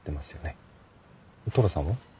寅さんは？